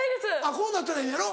こうなったらいいんやろ？